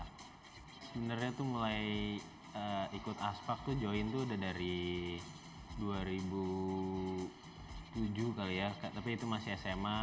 sebenarnya tuh mulai ikut aspak tuh join tuh udah dari dua ribu tujuh kali ya tapi itu masih sma